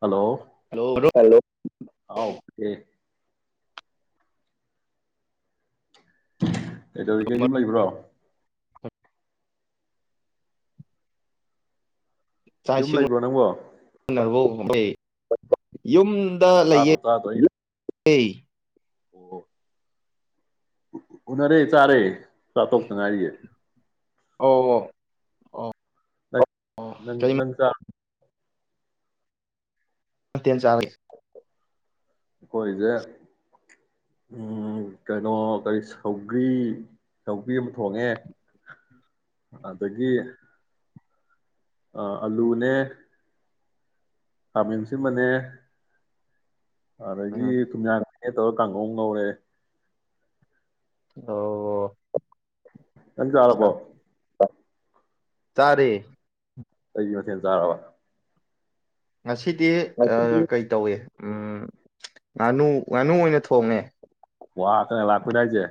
hello hello ꯃꯔꯨꯞ hello ꯑꯀꯦ [unintelligible] ꯀꯩꯗꯧꯔꯤ ꯀꯩꯒꯨꯝ ꯂꯩꯕ꯭ꯔꯣ ꯆꯥꯛ ꯌꯨꯝ ꯂꯩꯕ꯭ꯔꯣ ꯅꯪꯕꯣ ꯑꯩꯣꯏ ꯌꯨꯝꯗ ꯂꯩꯌꯦ ꯇꯥꯗ꯭ꯔꯣ ꯇꯥꯗ꯭ꯔꯣ ꯑꯩ ꯀ ꯑꯣ ꯎꯅꯔꯦ ꯆꯥꯔꯦ ꯆꯇꯣꯛꯛꯇ ꯉꯔꯤꯌꯦ ꯑ ꯑ ꯅꯪ ꯅꯪ ꯆ ꯇ ꯆꯂ ꯑꯩꯈꯣꯏꯁꯦ ꯎ ꯀꯩꯅꯣ ꯀꯔꯤ ꯁꯧꯒ꯭ꯔꯤ ꯁꯒ꯭ꯔꯤ ꯑꯃ ꯊꯣꯡꯉꯦ ꯑꯗꯒꯤ ꯑ ꯑꯂꯨꯅꯦ ꯈꯥꯃꯦꯟ ꯑꯥꯁꯤꯟꯕꯅꯦ ꯑꯗꯒꯤ ꯎꯝ ꯊꯨꯃꯌ꯭ꯥꯛ ꯇꯧꯔ ꯀꯥꯡꯒꯧ ꯑꯃꯉꯧꯔꯦ ꯑꯣ ꯅꯪ ꯆꯔꯥꯕꯣ ꯆꯔꯦ ꯀꯩ ꯃꯊꯦꯜ ꯆꯔꯕ ꯉꯁꯤꯗꯤ ꯀꯩ ꯇꯧꯏ ꯎꯝ ꯉꯥꯅꯨ ꯉꯥꯅꯨ ꯑꯣꯏꯅ ꯊꯣꯡꯉꯦ ꯋꯥ ꯀꯟꯅ ꯂꯥꯛꯄꯗꯥꯏꯁꯦ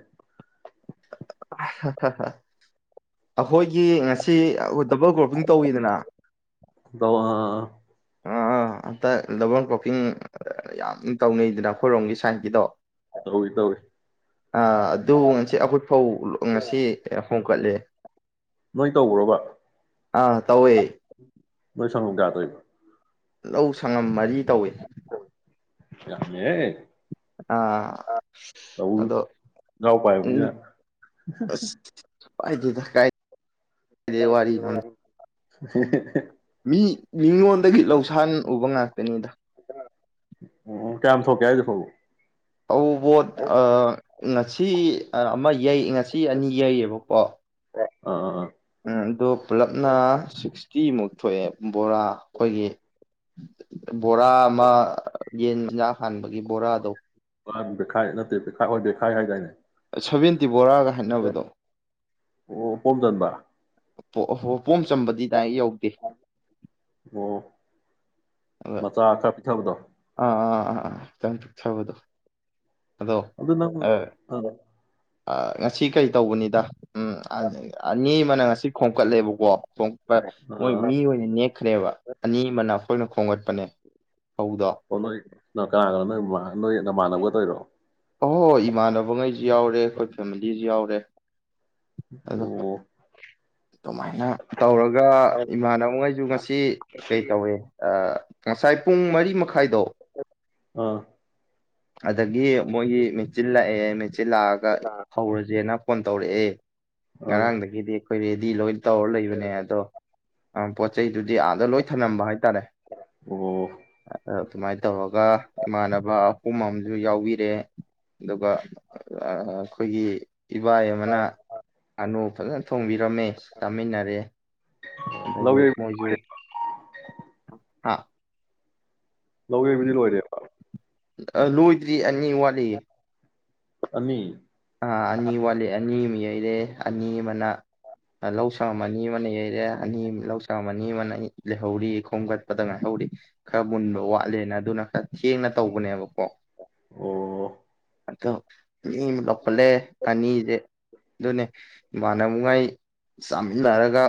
ꯑꯈꯣꯏꯒꯤ ꯉꯁꯤ ꯗꯕꯜ ꯒ꯭ꯔꯣꯄꯤꯡ ꯇꯧꯋꯤꯗꯅ ꯇꯧ ꯑ ꯑꯥ ꯑꯥ ꯑꯝꯇ ꯗꯕꯜ ꯀ꯭ꯔꯣꯄꯤꯡ ꯌꯥꯝ ꯇꯧꯅꯩꯗꯅ ꯑꯩꯈꯣꯏꯔꯣꯝꯒꯤ ꯁꯥꯏꯠꯀꯤꯗꯣ ꯇꯧꯏ ꯇꯧꯏ ꯑ ꯑꯗꯨ ꯉꯁꯤ ꯑꯩꯈꯣꯏ ꯐꯧ ꯉꯁꯤ ꯍꯣꯡꯀꯠꯂꯦ ꯅꯣꯏ ꯇꯧꯕꯔꯣꯕ ꯑꯥ ꯇꯧꯋꯦ ꯅꯣꯏ ꯁꯡꯒꯣꯝ ꯌꯥꯗꯔꯦ ꯂꯧ ꯁꯪꯉꯝ ꯃꯔꯤ ꯇꯧꯋꯤ ꯌꯥꯝꯃꯦꯍꯦ ꯑ ꯇꯧ ꯑꯗꯣ ꯏꯅꯥꯎ ꯄꯥꯏꯕꯅꯤꯅ ꯎꯃ ꯑꯁ ꯄꯥꯏꯗꯦꯗꯥ ꯀꯥꯏ ꯀꯔꯥꯏꯗꯒꯤ ꯋꯥꯔꯤ [inaudible] ꯃꯤ ꯃꯤꯉꯣꯟꯗꯒꯤ ꯂꯧꯁꯥꯟ ꯎꯕ ꯉꯥꯏ ꯀꯅꯤꯗ ꯎꯝ ꯀꯌꯥꯝ ꯊꯣꯛꯀꯦ ꯍꯥꯏꯁꯦ ꯐꯧꯕꯨ ꯇꯧꯕꯣꯠ ꯑꯥ ꯉꯁꯤ ꯑꯃ ꯌꯩ ꯉꯁꯤ ꯑꯅꯤ ꯌꯩꯌꯦꯕꯀꯣ ꯑ ꯑ ꯎꯝ ꯗꯣ ꯄꯂꯞꯅ ꯁꯤꯁꯀꯤ ꯅꯦ ꯊꯣꯛꯑꯦ ꯕꯣꯔꯥ ꯑꯩꯈꯣꯏꯒꯤ ꯕꯣꯔꯥ ꯑꯃ ꯌꯦꯟꯖꯥꯛ ꯍꯥꯟꯕꯒꯤ ꯕꯣꯔꯥꯗꯣ ꯈꯥꯏ ꯅꯠꯇꯦ ꯄꯤꯈꯥꯎ ꯑꯣꯏꯔꯗꯤ ꯈꯥꯏ ꯍꯥꯏꯗꯥꯏꯅꯦ ꯁꯕꯦꯟꯇꯤ ꯕꯣꯔꯒ ꯅꯛꯅꯕꯗꯣ ꯑꯣ ꯐꯣꯜ ꯆꯗ ꯣ ꯄꯣꯝ ꯆꯝꯕꯗꯤ ꯗꯥꯏ ꯌꯧꯗꯦ ꯑꯣ ꯑꯗ ꯃꯆꯥ ꯈ ꯄꯤꯊꯕꯗꯣ ꯑꯥ ꯑꯥ ꯑꯥ ꯑꯥ ꯆꯪ ꯊ ꯊꯕꯗꯣ ꯑꯗꯨ ꯑꯗ ꯉꯁꯤ ꯀꯔꯤ ꯇꯧꯕꯅꯤꯗ ꯎꯝ ꯑꯗꯅꯤ ꯑꯃꯅ ꯉꯁꯤ ꯈꯣꯝꯀꯠꯂꯦꯕꯀꯣ ꯄꯣꯡꯄ ꯃꯣꯏ ꯑꯥ ꯃꯤ ꯑꯣꯏꯅ ꯅꯦꯛꯈ꯭ꯔꯦꯕ ꯑꯅꯤ ꯑꯃꯅ ꯑꯩꯈꯣꯏꯅ ꯈꯣꯝꯒꯠꯄꯅꯦ ꯐꯧꯗꯣ ꯑꯣ ꯅꯣꯏ ꯀꯅꯥ ꯀꯅꯣ ꯅꯣꯏ ꯅꯣꯏ ꯅꯃꯥꯟꯅꯕ ꯔꯣ ꯑꯍꯣꯏ ꯍꯣꯏ ꯏꯃꯥꯟꯅꯕꯉꯩꯁꯨ ꯌꯥꯎꯔꯦ ꯑꯩꯈꯣꯏ ꯐꯦꯃꯤꯂꯤꯁꯨ ꯌꯥꯎꯔꯦ ꯑꯗꯣ ꯑꯣꯝ ꯑꯗꯨꯃꯥꯏꯅ ꯇꯧꯔꯒ ꯏꯃꯥꯟꯅꯕꯈꯩꯁꯨ ꯉꯁꯤ ꯀꯩ ꯇꯧꯋꯦ ꯉꯁꯥꯏ ꯄꯨꯡ ꯃꯔꯤ ꯃꯈꯥꯏꯗꯣ ꯑꯥ ꯑꯗꯨꯗꯒꯤ ꯃꯣꯏꯒꯤ ꯃꯦꯆꯤꯤꯟ ꯂꯥꯛꯑꯦ ꯃꯦꯆꯤꯤꯟ ꯂꯥꯛꯑꯒ ꯍꯧꯔꯁꯦꯅ ꯐꯣꯟ ꯇꯧꯔꯛꯑꯦ ꯑꯥ ꯉꯔꯥꯡꯗꯒꯤꯗꯤ ꯑꯩꯈꯣꯏ ꯔꯦꯗꯤ ꯂꯣꯏ ꯇꯧꯔ ꯂꯩꯕꯅꯦ ꯑꯗꯣ ꯑ ꯄꯆꯩ ꯑꯗꯨꯗꯤ ꯑꯥꯗ ꯂꯣꯏ ꯊꯝꯂꯝꯝꯕ ꯍꯥꯏꯇꯥꯔꯦ ꯑꯣ ꯑꯗꯨꯃꯥꯏꯅ ꯇꯧꯔꯒ ꯏꯃꯥꯟꯅꯕ ꯄꯨꯝ ꯑꯃꯁꯝꯨ ꯌꯥꯎꯕꯤꯔꯦ ꯑꯗꯨꯒ ꯑꯩꯈꯣꯏꯒꯤ ꯏꯕꯥꯏ ꯑꯃꯅ ꯑꯅꯞ ꯐꯖꯅ ꯊꯣꯡꯕꯤꯔꯝꯃꯦ ꯇꯥꯃꯤꯟꯅꯔꯦ ꯂꯧ ꯑꯗꯒꯤ ꯌꯩ ꯃꯣꯏꯖꯨ ꯍꯥ ꯂꯧ ꯌꯩꯕꯨꯗꯤ ꯂꯣꯏꯔꯦꯕ ꯑ ꯂꯣꯏꯗ꯭ꯔꯤ ꯌꯥꯅꯤ ꯋꯥꯂꯤ ꯑꯅꯤ ꯑꯅꯤ ꯑꯃ ꯌꯩꯔꯦ ꯑꯅꯤ ꯑꯃꯅ ꯂꯧꯁꯪ ꯑꯅꯤ ꯑꯃꯅ ꯌꯩꯔꯦ ꯑꯅꯤ ꯂꯧꯁꯪ ꯑꯅꯤ ꯑꯃꯅ ꯂꯩꯍꯧꯔꯤ ꯈꯣꯝꯒꯠꯄꯗ ꯉꯥꯏꯍꯧꯔꯤ ꯈꯔ ꯃꯨꯟꯕ ꯋꯥꯠꯂꯦꯅ ꯑꯗꯨꯅ ꯈꯔ ꯊꯦꯡꯅ ꯇꯧꯕꯅꯦꯕꯀꯣ ꯑꯣ ꯑꯗꯣ ꯃꯤꯒ ꯈꯠꯂꯑꯦ ꯑꯅꯤꯁꯦ ꯑꯗꯨꯅꯦ ꯏꯃꯅꯅꯕꯨꯡꯉꯥꯏ ꯆ ꯎꯟꯅꯔꯒ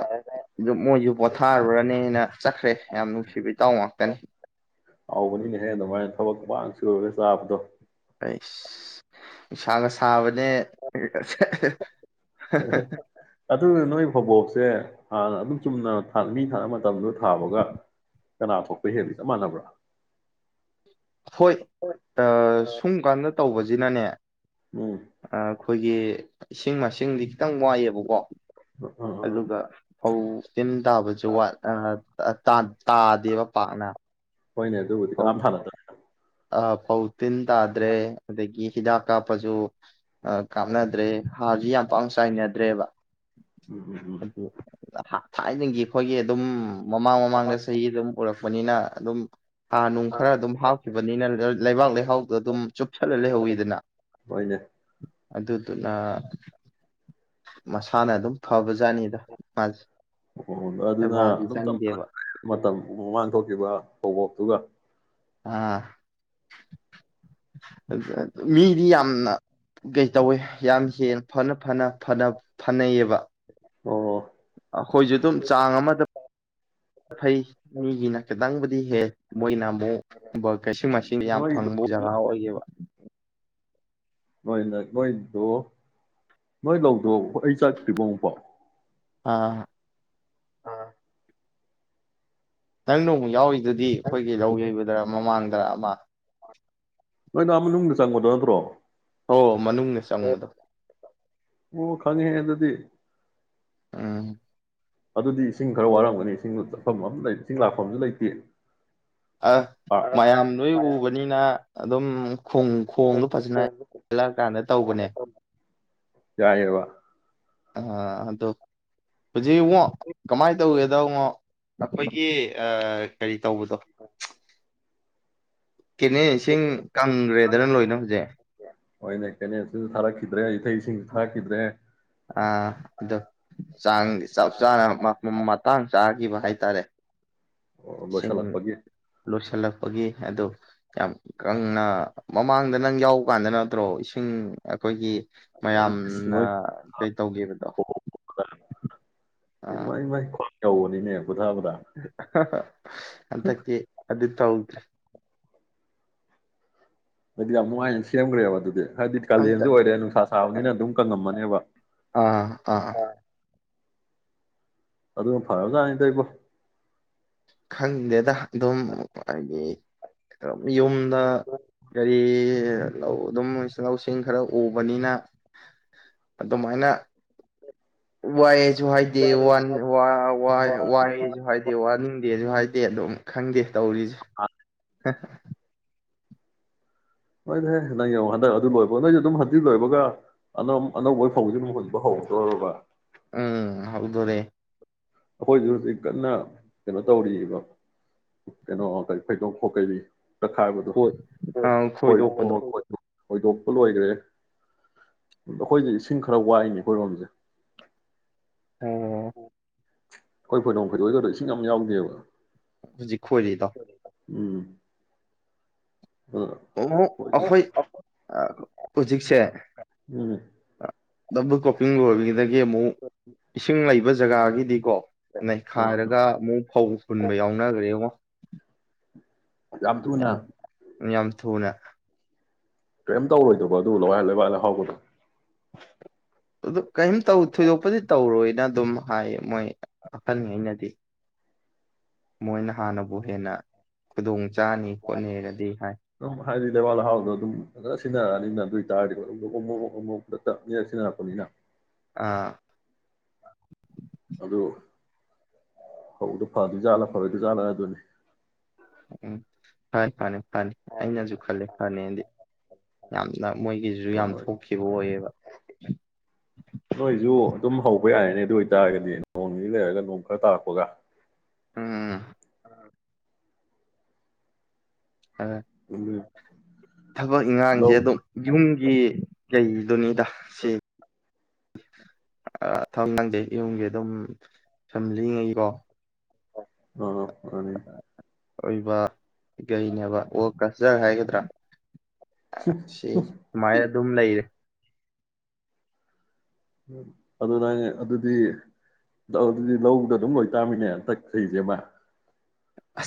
ꯑꯗꯨ ꯃꯣꯏꯁꯨ ꯄꯣꯊꯥꯔꯨꯔꯅꯦꯅ ꯆꯠꯈ꯭ꯔꯦ ꯌꯥꯝ ꯅꯨꯡꯁꯤꯕ ꯏꯇꯥꯎ ꯉꯥꯛꯇꯅꯤ ꯍꯥꯎꯕꯅꯤ ꯅꯦꯍꯦ ꯑꯗꯨꯃꯥꯏꯅ ꯊꯕꯛ ꯄ ꯁꯨꯔꯒ ꯆꯥꯕꯗꯣ ꯁ ꯅꯨꯡꯁꯥꯒ ꯁꯥꯕꯅꯦ ꯑꯗꯨ ꯅꯣꯏ ꯐꯧꯕꯣꯛꯁꯦ ꯍꯥꯟꯅ ꯑꯗꯨꯝ ꯆꯨꯝꯅ ꯃꯤ ꯊꯥꯅꯕ ꯃꯇꯝꯗꯣ ꯊꯥꯕꯒ ꯀꯅꯥ ꯈꯣꯠꯄ ꯍꯦꯕ ꯆꯞ ꯃꯥꯟꯅꯕ꯭ꯔꯥ ꯍꯣꯏ ꯑ ꯑꯁꯨꯝ ꯀꯥꯟꯗ ꯇꯧꯕꯁꯤꯅꯅꯦ ꯎꯝ ꯑꯩꯈꯣꯏꯒꯤ ꯏꯁꯤꯡ ꯃꯁꯤꯡꯗꯤ ꯈꯤꯇꯪ ꯋꯥꯏꯑꯦꯕꯀꯣ ꯑꯥ ꯑꯥ ꯑꯗꯨꯒ ꯐꯧ ꯇꯤꯟ ꯇꯥꯕꯁꯨꯠ ꯇꯥꯗꯦꯕ ꯄꯥꯛꯅ ꯍꯣꯏꯅꯦ ꯑꯗꯨꯕꯨꯗꯤ ꯀꯝ ꯐꯥ ꯅꯠꯇ ꯑ ꯐꯥꯎ ꯇꯤꯟꯇꯥꯗ꯭ꯔꯦ ꯑꯗꯨꯗꯒꯤ ꯍꯤꯗꯥꯛ ꯀꯥꯞꯄꯁꯨ ꯀꯥꯞꯅꯗ꯭ꯔꯦ ꯍꯥꯔꯁꯨ ꯌꯥꯝ ꯄꯥꯡ ꯆꯥꯏꯅꯗ꯭ꯔꯦꯕ ꯎꯝ ꯎꯝ ꯎꯝ ꯊꯥꯏꯅꯒꯤ ꯑꯩꯈꯣꯏꯒꯤ ꯑꯗꯨꯝ ꯃꯃꯥꯡ ꯃꯃꯥꯡꯒ ꯁꯗ ꯄꯨꯔꯛꯄꯅꯤꯅ ꯑꯗꯨꯝ ꯍꯥꯔ ꯅꯨꯡ ꯈꯔ ꯑꯗꯨꯝ ꯍꯥꯥꯎ ꯈꯤꯕꯅꯤꯅ ꯂꯩꯕꯥꯛ ꯂꯩꯍꯥꯎꯗꯣ ꯑꯗꯨꯝ ꯆꯨꯞꯁꯜꯂ ꯂꯩꯍꯧꯋꯤꯗꯅ ꯍꯣꯏꯅꯦ ꯑꯗꯨꯗꯨꯅꯁ ꯍꯥꯟꯅ ꯑꯗꯨꯝ ꯐꯕ ꯖꯥꯠꯅꯤꯗ ꯐꯖ [unintelligible] [inaudible] ꯎ ꯑꯗꯨꯅ ꯑꯗꯨꯝ ꯆꯞ ꯃꯥꯟꯅ ꯃꯇꯝ ꯃꯃꯥꯡ ꯊꯣꯛꯈꯤꯕ ꯐꯕꯣꯛꯇꯨꯒ ꯑꯥ ꯃꯤꯗꯤ ꯌꯥꯝꯅ ꯀꯩ ꯇꯧꯋꯦ ꯌꯥꯝ ꯍꯦꯟꯅ ꯐꯅ ꯐꯅꯅ ꯐꯅꯩꯌꯦꯕ ꯑꯣ ꯑꯩꯈꯣꯏꯁꯨ ꯑꯗꯨꯝ ꯆꯥꯡ ꯑꯃꯗ ꯐꯩ ꯃꯤꯒꯤꯅ ꯈꯤꯇꯪꯕꯨꯗꯤ ꯍꯦ ꯃꯣꯏꯅ ꯀꯩꯁꯤꯡ ꯃꯥꯏꯁꯤꯡ ꯌꯥꯝ ꯅꯣꯏꯗꯣ ꯐꯪꯕ ꯖꯒꯥ ꯑꯣꯏꯈꯤꯕꯕ ꯅꯣꯏꯅ ꯅꯣꯏꯗꯣ ꯅꯣꯏ ꯂꯧꯊꯣꯛ ꯑꯩ ꯆꯥꯛꯠꯇ꯭ꯔꯤꯔꯤꯕꯨꯡꯐꯣ ꯑꯥ ꯑꯥ ꯅꯪꯅꯣ ꯌꯥꯎ ꯏ ꯑꯗꯨꯗꯤ ꯑꯩꯈꯣꯏꯒꯤ ꯂꯧ ꯌꯩꯕ ꯗ ꯃꯃꯥꯡꯗ꯭ꯔ ꯑꯃ ꯅꯣꯏ ꯅꯍ ꯃꯅꯨꯡꯗ ꯆꯪꯕꯗꯣ ꯅꯠꯇ꯭ꯔꯣ ꯑꯣ ꯃꯅꯨꯡꯅꯦ ꯆꯪꯕꯗꯣ ꯋꯥ ꯈꯪꯉꯦ ꯍꯥꯏ ꯑꯗꯨꯗꯤ ꯑꯝ ꯑꯗꯨꯗꯤ ꯏꯁꯤꯡ ꯈꯔ ꯋꯥꯔꯝꯒꯅꯤ ꯏꯁꯤꯡꯗ ꯆꯠꯐꯝ ꯑꯃ ꯂꯩ ꯏꯁꯤꯡ ꯂꯥꯛꯐꯝꯁꯨ ꯂꯩꯇꯦ ꯑ ꯑꯥ ꯃꯌꯥꯝ ꯂꯣꯏ ꯎꯕꯅꯤꯅ ꯑꯗꯨꯝ ꯈꯣꯡꯗꯣ ꯐꯖꯅ ꯍꯜꯂꯛ ꯀꯥꯟꯗ ꯇꯧꯕꯅꯦ ꯌꯥꯏꯦꯕ ꯑꯗꯣ ꯍꯧꯖꯤꯛꯉꯛ ꯀꯃꯥꯏꯅ ꯇꯧꯒꯦꯗꯉꯣ ꯑꯩꯈꯣꯏꯒꯤ ꯀꯔꯤ ꯇꯧꯕꯗꯣ ꯀꯦꯅꯦ ꯏꯁꯤꯡ ꯀꯪꯈ꯭ꯔꯦꯗꯅ ꯂꯣꯏꯅ ꯍꯧꯖꯤꯛ ꯍꯣꯏꯅꯦ ꯀꯩꯅ ꯊꯔꯛ ꯈꯗ꯭ꯔꯦ ꯑ ꯑꯣ ꯆꯥꯡꯗꯤ ꯆꯞ ꯆꯥꯅ ꯇꯥꯡ ꯆꯥꯈꯤꯕ ꯍꯥꯏꯇꯥꯔꯦ ꯑꯣ ꯁꯤꯡ ꯂꯣꯏꯁꯤꯜꯂꯛꯄꯒꯤ ꯂꯣꯏꯁꯤꯜꯂꯛꯄꯒꯤ ꯑꯗꯨ ꯌꯥꯝ ꯀꯪꯅ ꯃꯃꯥꯡꯗ ꯅꯪ ꯌꯥꯎꯕ ꯀꯥꯟꯗ ꯅꯠꯇ꯭ꯔꯣ ꯏꯁꯤꯡ ꯑꯩꯈꯣꯏꯒꯤ ꯃꯌꯥꯝꯅ ꯅꯣꯏ ꯀꯩ ꯇꯧꯈꯤꯕꯗꯣ ꯏꯃ ꯏꯃꯥꯏ ꯇꯧꯅꯤꯅꯦ ꯍꯟꯊꯀꯤ ꯑꯗꯨ ꯇꯧꯗ꯭ꯔꯦ ꯑꯗꯨꯗꯤ ꯌꯥꯝ ꯅꯨꯡꯉꯥꯏꯅ ꯁꯦꯝꯈ꯭ꯔꯦꯕ ꯑꯗꯨꯗꯤ ꯍꯥꯏꯗꯤ ꯀꯥꯂꯦꯟꯁꯨ ꯍꯟꯗꯛ ꯑꯣꯏꯔꯦ ꯅꯨꯡꯁꯥ ꯁꯥꯕꯅꯤꯅ ꯑꯗꯨꯝ ꯀꯪꯉꯝꯃꯅꯦꯕ ꯑꯥ ꯑꯥ ꯑꯗꯨꯒ ꯐꯔ ꯇꯥꯅꯤꯗ ꯏꯕꯣ ꯈꯪꯗꯦꯗ ꯑꯗꯨꯝ ꯍꯥꯏꯗꯤꯝ ꯌꯨꯝꯗ ꯂꯧ ꯑꯗꯨꯝ ꯂꯧꯁꯤꯡ ꯈꯔ ꯎꯕꯅꯤꯅ ꯑꯗꯨꯃꯥꯏꯅ ꯋꯥꯏ ꯑꯦꯁꯨ ꯍꯥꯏꯗꯦ ꯋꯥꯟ ꯋꯥꯏ ꯑꯦꯁꯨ ꯍꯥꯏꯗꯦ ꯋꯥꯟ ꯑꯗꯨꯦꯁꯨ ꯍꯥꯏꯗꯦ ꯑꯗꯨꯝ ꯈꯪꯗꯦ ꯇꯧꯔꯤꯁꯦ ꯅꯣꯏꯗꯤꯦ ꯅꯪ ꯌꯦꯡꯉꯣ ꯍꯟꯗꯛ ꯑꯗꯨ ꯂꯣꯏꯕ ꯅꯣꯏꯁꯨ ꯑꯗꯨꯝ ꯍꯟꯖꯤꯤ ꯂꯣꯏꯕꯒꯅ ꯑꯅꯧꯕ ꯐꯧꯁ ꯑꯗꯨꯝ ꯍꯖꯤꯕ ꯍꯧꯔꯛꯇꯣꯏꯔꯕ ꯎꯝ ꯍꯥꯎꯗꯣꯣꯔꯦ ꯑꯩꯈꯣꯏꯁꯨ ꯍꯧꯖꯤꯛ ꯀꯟꯅ ꯀꯩꯅꯣ ꯇꯧꯔꯤꯑꯕ ꯀꯩꯅꯣ ꯀꯔꯤ ꯐꯩꯗꯣꯛ ꯈꯣꯀꯩꯔꯤ ꯇ ꯈꯣꯏ ꯑꯥ ꯈꯣꯏꯗꯣꯛꯄꯗꯣ ꯈꯥꯏꯕꯗꯨꯣꯏꯣꯏ ꯍꯣꯏꯗꯣꯛꯄ ꯂꯣꯏꯈ꯭ꯔꯦ ꯑꯩꯈꯣꯏꯗꯤ ꯏꯁꯤꯡ ꯈꯔ ꯋꯥꯏꯅꯤ ꯑꯩꯈꯣꯏꯔꯣꯝꯁꯦ ꯑꯣ ꯍ ꯍꯣꯏ ꯐꯣꯏꯗꯣꯡ ꯐꯣꯏꯗꯣꯛ ꯑꯣꯏꯒꯗ ꯏꯁꯤꯡ ꯌꯥꯝ ꯌꯥꯎꯗꯦꯕ ꯍꯧꯖꯤ ꯈꯣꯏ ꯂꯤꯗ ꯎꯝ ꯑꯣꯃꯨ ꯑꯗꯨꯅ ꯑꯈꯣꯏ ꯑ ꯍꯧꯖꯤ ꯆꯦ ꯃꯅꯦ ꯗꯕ ꯀꯣꯄꯤꯡ ꯑꯣꯏꯣꯕꯤꯗ ꯒꯦꯝꯨ ꯏꯁꯤꯡ ꯂꯩꯕ ꯖꯒꯥꯒꯤꯗꯤꯀꯣ ꯑꯥ ꯅꯩꯈꯥꯏꯔꯒ ꯑꯃꯨꯛ ꯐꯧ ꯐꯨꯟꯕ ꯌꯥꯎꯅꯈ꯭ꯔꯦ ꯌꯦꯡꯉꯣ ꯌꯥꯝ ꯌꯥꯝ ꯊꯣꯅ ꯀꯔꯤꯝ ꯇꯧꯔꯣꯏꯗꯧꯕ ꯑꯗꯨ ꯂꯋꯥ ꯂꯣꯏꯕꯥꯏ ꯂꯩ ꯍꯥꯎꯕꯗꯣ ꯑꯗꯨꯗ ꯀꯔꯤꯝꯧ ꯊꯣꯏꯗꯣꯛꯄꯗꯤ ꯇꯧꯔꯣꯏꯅ ꯑꯗꯨꯝ ꯍꯥꯏꯌꯦ ꯃꯣꯏ ꯑꯈꯜꯂꯤꯉꯩꯅꯗꯤ ꯃꯣꯏꯅ ꯍꯥꯟꯅꯕꯨ ꯍꯦꯟꯅ ꯈꯨꯗꯣꯡ ꯆꯥꯅꯤ ꯈꯣꯠꯅꯤꯔꯗꯤ ꯍꯥꯏ ꯑꯗꯨꯝ ꯍꯥꯏꯗꯤ ꯗꯦꯕꯥꯜ ꯂꯩꯍꯥꯎꯗꯣ ꯑꯗꯨꯝ ꯐꯖꯅ ꯁꯤꯟꯅꯔꯛꯑꯅꯤꯅ ꯑꯗꯨ ꯑꯣꯏꯇꯥꯔꯗꯤ ꯑꯃꯨꯣꯛ ꯑꯃꯃꯣꯛꯗ ꯇꯞꯅꯤꯔ ꯁꯤꯟꯅꯔꯛꯄꯅꯤꯅ ꯑꯥ ꯑꯗꯨꯗꯣ ꯍ ꯑꯗꯨ ꯐ ꯑꯗꯨ ꯆꯥꯠꯂ ꯐꯔꯦ ꯑꯗꯨ ꯆꯥꯠꯂ ꯑꯗꯨꯅꯤ ꯎꯝ ꯍ ꯐꯅꯤ ꯍꯅꯤ ꯑꯩꯅꯁꯨ ꯈꯜꯂꯦ ꯐꯅꯤꯗꯤ ꯌꯥꯝ ꯅ ꯃꯣꯏꯒꯤꯁꯤꯁꯨ ꯌꯥꯝ ꯅꯣꯏ ꯊꯣꯛꯈꯤꯕ ꯑꯣꯏꯌꯦꯕ ꯅꯣꯏꯁꯨ ꯑꯗꯨꯝ ꯍꯧꯕ ꯌꯥꯔꯅꯦ ꯑꯗꯨ ꯑꯣꯏꯇꯥꯔꯒꯗꯤ ꯅꯣꯡꯅꯤꯗꯒꯤ ꯂꯩꯔꯒ ꯅꯣꯡ ꯈꯔ ꯇꯥꯔꯛꯄꯒ ꯎꯝ ꯎꯝ ꯑ ꯎꯝ ꯊꯕꯛ ꯏꯟꯈꯥꯡꯁꯦ ꯑꯗꯨꯝ ꯌꯨꯝꯒꯤ ꯀꯩꯗꯨꯅꯤꯗ ꯁꯤ ꯊꯕꯛ ꯂꯪꯗꯦ ꯌꯨꯝꯒꯤ ꯑꯗꯨꯝ ꯐꯦꯃꯤꯂꯤꯉꯩꯀꯣ ꯍ ꯑꯦ ꯑꯣꯏꯕ ꯀꯩꯅꯦꯕ ꯖꯔ ꯍꯥꯏꯒꯗ꯭ꯔꯥ ꯁꯤ ꯁꯨꯃꯥꯏꯅ ꯑꯗꯨꯝ ꯂꯩꯔꯦ ꯎ ꯑꯗꯨ ꯅꯪ ꯑꯗꯨꯗꯤ ꯑꯗꯨꯗꯤ ꯂꯧꯗ ꯑꯗꯨꯝ ꯂꯣꯏꯇꯥꯥꯃꯤꯅꯦꯟꯇꯛꯈꯁꯦ ꯑꯃ ꯑ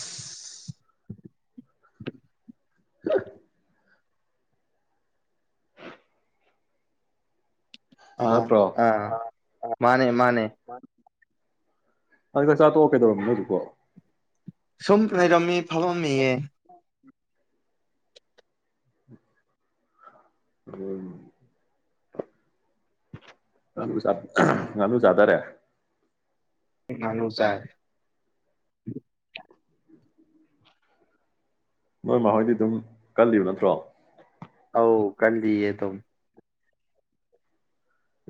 ꯑꯥ ꯅꯠꯇ꯭ꯔꯣ ꯑꯥ ꯃꯥꯅꯦ ꯃꯥꯅꯦ ꯑꯗꯨ ꯆꯥ ꯇꯣꯛꯑ ꯀꯩꯗꯧꯔꯕꯝꯣ ꯍꯧꯖꯤꯛꯀꯣ ꯁꯨꯝꯅꯤꯔꯃꯤ ꯐꯥꯎꯃꯤ ꯎꯝ ꯉ ꯉꯅꯨ ꯆꯥꯗꯔꯦ ꯃꯥꯅꯨꯁꯔ ꯅꯣꯏ ꯃꯈꯣꯏꯗꯤ ꯑꯗꯨꯝ ꯀꯜꯂꯤꯕ ꯅꯠꯇ꯭ꯔꯣ ꯑ ꯀ ꯂꯦ ꯇꯨꯝ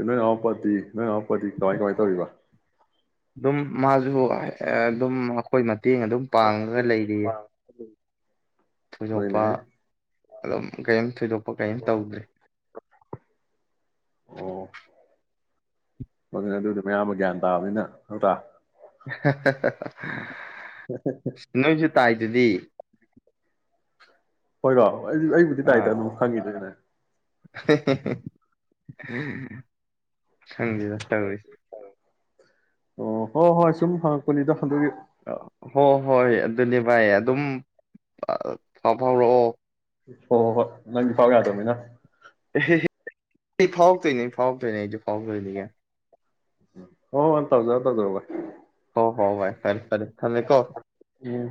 ꯅꯣꯏ ꯉꯋꯥꯄꯥꯇꯤ ꯅꯣꯏ ꯑꯋꯥꯄꯥꯇꯤ ꯀꯃꯥꯏ ꯀꯃꯥꯏꯅ ꯇꯧꯔꯤꯕ ꯑꯗꯨꯝ ꯃꯥꯖ ꯍ ꯑꯗꯨꯝ ꯑꯩꯈꯣꯏ ꯃꯇꯦꯡ ꯑꯗꯨꯝ ꯄꯥꯡꯉꯒ ꯂꯩꯔꯤꯌꯦ ꯊꯣꯏꯗꯣꯛꯄ ꯅꯣꯏꯅꯦꯍꯦ ꯑꯗꯨꯝ ꯀꯔꯤꯝ ꯊꯣꯏꯗꯣꯛꯄ ꯀꯔꯤꯝ ꯇꯧꯗ꯭ꯔꯤ ꯑꯗꯨ ꯑꯗꯨꯗꯤ ꯃꯌꯥꯝ ꯑꯃ ꯒ꯭ꯌꯥꯟ ꯇꯥꯕꯅꯤꯅ ꯍꯇꯥ [unintelligible] ꯍ ꯇꯥꯏ ꯑꯗꯨꯗꯤ ꯍꯣꯏꯔꯕꯣ ꯍ ꯑꯩꯗꯤ ꯑꯩꯕꯨꯗꯤ ꯇꯥꯏꯇ ꯑꯗꯨꯝ ꯐꯪꯉꯤꯗꯅ ꯀꯩꯅ ꯎꯝ ꯍꯪꯒ ꯑꯣ ꯍꯣ ꯍꯣꯏ ꯁꯨꯝ ꯍ ꯀꯂꯤꯗ ꯍꯣ ꯍꯣꯏ ꯑꯗꯨꯅꯦ ꯚꯥꯏ ꯑꯗꯨꯝ ꯑ ꯐꯥꯎ ꯐꯥꯎꯔꯛꯑꯣ ꯍꯣꯏ ꯍꯣꯏ ꯍꯣꯏ ꯅꯪꯗꯤ ꯐꯥꯎ ꯌꯥꯗꯕꯅꯤꯅ ꯐꯥꯎꯛꯇꯅꯤ ꯐꯥꯎꯛꯇꯅꯦꯁꯨ ꯐꯥꯎꯀꯣꯏꯅꯤ ꯍꯥꯏ ꯑꯣ ꯇ ꯍꯧꯖꯗ ꯑꯗꯨ ꯍꯕ ꯍꯣ ꯍꯣ ꯚꯥꯏ ꯐꯔ ꯐꯔ ꯊ ꯂꯩ ꯀꯣ ꯎꯝ